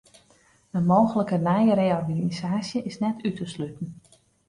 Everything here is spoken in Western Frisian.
In mooglike nije reorganisaasje is net út te sluten.